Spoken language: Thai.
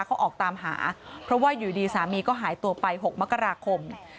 เขาออกตามหาเพราะว่าอยู่ดีสามีก็หายตัวไป๖มกราคม